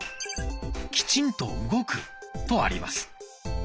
「きちんと動く」とあります。